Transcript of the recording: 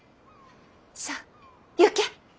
さあ行け。